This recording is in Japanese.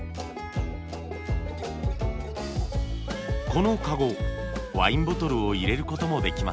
このカゴワインボトルを入れる事もできます。